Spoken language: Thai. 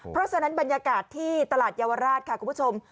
เพราะฉะนั้นบรรยากาศที่ตลาดเยาวราชค่ะคุณผู้ชม